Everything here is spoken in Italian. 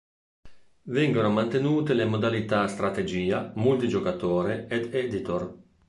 Vengono mantenute le modalità Strategia, Multigiocatore ed Editor.